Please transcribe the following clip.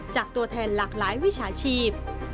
จากตัวแทนหลากหลายวิชาชีพ